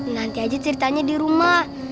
nanti aja ceritanya di rumah